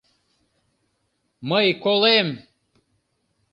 — Мый колем!